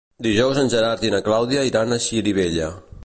Dijous en Gerard i na Clàudia iran a Xirivella.